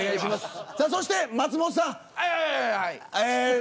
そして、松本さん。